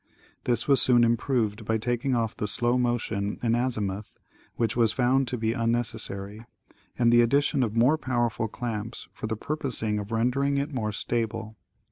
This was soon improved by taking off the slow motion in azimuth, which was found to be unnecessary, and the addition of more powerful clamps, for the purposing of rendering it more stable.